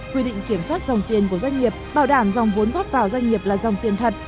quy định kiểm soát dòng tiền của doanh nghiệp bảo đảm dòng vốn góp vào doanh nghiệp là dòng tiền thật